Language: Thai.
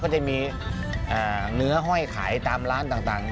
จะมีเนื้อห้อยขายตามร้านต่าง